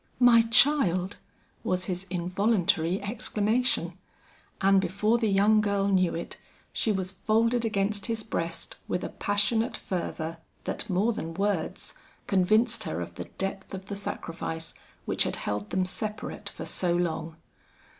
"My child!" was his involuntary exclamation, and before the young girl knew it, she was folded against his breast with a passionate fervor that more than words, convinced her of the depth of the sacrifice which had held them separate for so long.